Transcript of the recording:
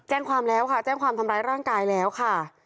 แจ้งความแล้วค่ะแจ้งความทำร้ายร่างกายแล้วค่ะ